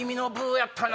やったな。